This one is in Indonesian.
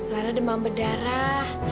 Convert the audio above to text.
lara demam berdarah